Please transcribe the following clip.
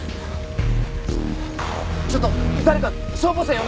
ちょっと誰か消防車呼んでください！